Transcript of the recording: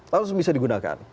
lalu bisa digunakan